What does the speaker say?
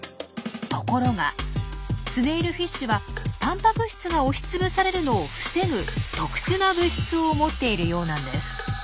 ところがスネイルフィッシュはたんぱく質が押しつぶされるのを防ぐ特殊な物質を持っているようなんです。